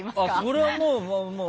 それは、もうもう。